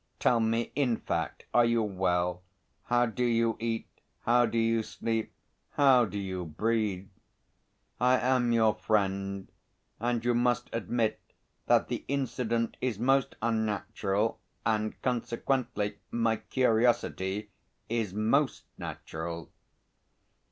Tell me, in fact, are you well? How do you eat, how do you sleep, how do you breathe? I am your friend, and you must admit that the incident is most unnatural, and consequently my curiosity is most natural."